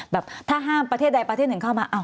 แบบถ้าห้ามประเทศใดประเทศหนึ่งเข้ามา